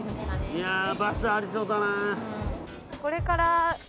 いやバスありそうだな。